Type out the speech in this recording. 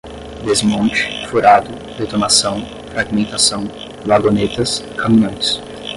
desmonte, furado, detonação, fragmentação, vagonetas, caminhões